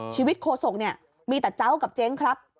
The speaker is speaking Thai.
โคศกเนี่ยมีแต่เจ้ากับเจ๊งครับ